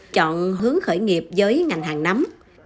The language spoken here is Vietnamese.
chọn hướng khởi nghiệp với ngành hàng nấm